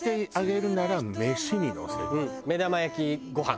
目玉焼きごはん。